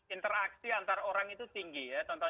interaksi antara orang itu tinggi ya